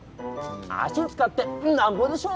足を使ってなんぼでしょ。